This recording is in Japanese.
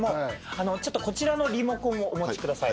ちょっとこちらのリモコンをお持ちください。